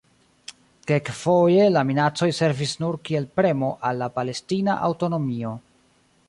Kelkfoje la minacoj servis nur kiel premo al la palestina aŭtonomio.